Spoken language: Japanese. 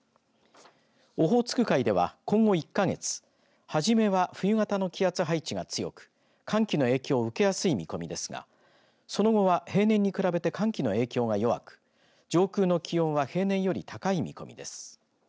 オホーツク海では今後１か月初めは冬型の気圧配置が強く寒気の影響を受けやすい見込みですがその後は平年に比べて寒気の影響が弱く上空の気温は平年より高い見込みです。